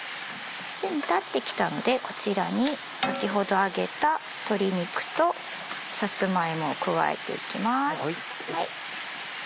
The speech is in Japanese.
じゃあ煮立ってきたのでこちらに先ほど揚げた鶏肉とさつま芋を加えていきます。